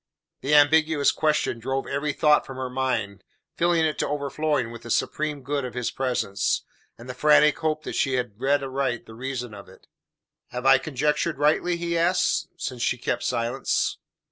The ambiguous question drove every thought from her mind, filling it to overflowing with the supreme good of his presence, and the frantic hope that she had read aright the reason of it. "Have I conjectured rightly?" he asked, since she kept silence.